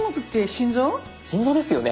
心臓ですよね